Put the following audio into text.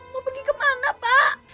mau pergi ke mana pak